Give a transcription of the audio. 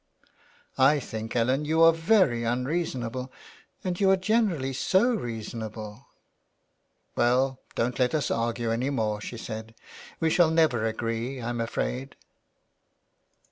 '* I think Ellen you are very unreasonable, and you are generally so reasonable." " Well, don't let us argue any more," she said. " We shall never agree, I'm afraid.''